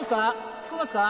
聞こえますか？